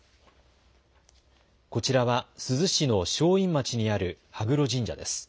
こちらは珠洲市の正院町にある羽黒神社です。